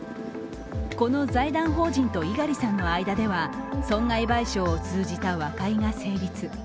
この財団法人と猪狩さんの間では、損害賠償を通じた和解が成立。